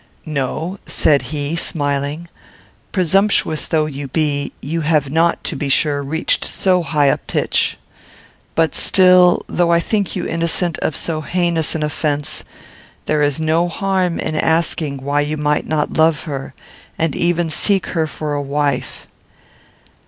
"No," said he, smiling, "presumptuous though you be, you have not, to be sure, reached so high a pitch. But still, though I think you innocent of so heinous an offence, there is no harm in asking why you might not love her, and even seek her for a wife."